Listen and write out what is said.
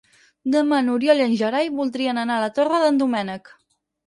Demà n'Oriol i en Gerai voldrien anar a la Torre d'en Doménec.